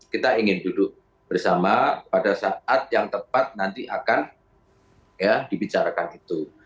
kita ingin duduk bersama pada saat yang tepat nanti akan dibicarakan itu